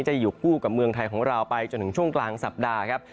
จะอยู่คู่กับเมืองไทยของเราไปจนถึงช่วงกลางสัปดาห์ครับ